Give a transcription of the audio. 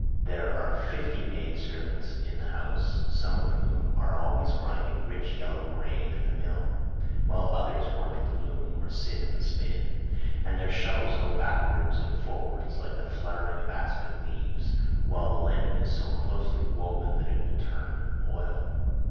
There are60 fifty maid servants in the house, some of whom are always grinding rich yellow grain at the mill, while others work at the loom, or sit and spin, and their shuttles go backwards and forwards like the fluttering of aspen leaves, while the linen is so closely woven that it will turn oil.